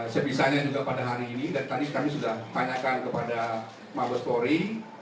sebisanya juga pada hari ini dan tadi kami sudah tanyakan kepada mabes polri